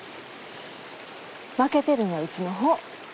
負けてるんはうちの方。